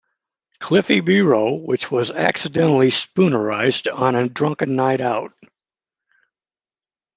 "Cliffy Biro", which was accidentally spoonerised on a drunken night out.